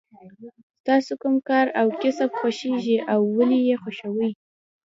ستاسو کوم کار او کسب خوښیږي او ولې یې خوښوئ.